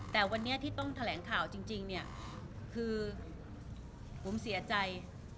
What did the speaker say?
แต่วันนี้ที่ต้องแถลงข่าวจริงเนี่ยคือผมเสียใจ